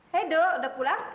hei do udah pulang